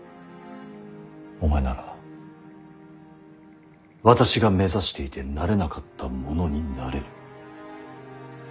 お前なら私が目指していてなれなかったものになれる。